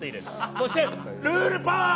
そしてルールパワー！